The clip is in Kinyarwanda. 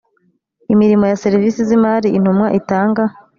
imirimo ya serivisi z imari intumwa itanga